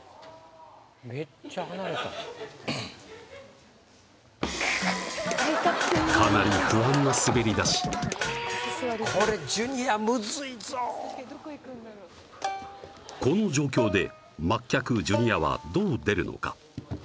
めっちゃ離れたかなり不安な滑り出しこれジュニアむずいぞこの状況で末客ジュニアはどう出るのか？